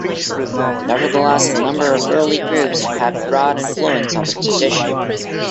Nevertheless, a number of early groups have had broad influence on the tradition.